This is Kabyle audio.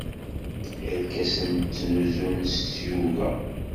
Irkasen ttnuzun s tyuga.